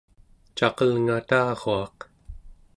caqelngataruaq